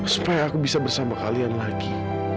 supaya aku bisa bersama kalian lagi